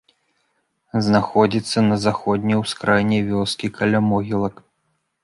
Знаходзіцца на заходняй ускраіне вёскі, каля могілак.